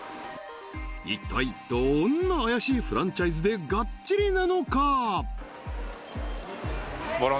一体どんなあやしいフランチャイズでがっちりなのか？